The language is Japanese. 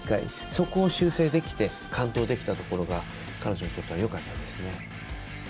そこを修正できて完登できて彼女にとってはよかったですね。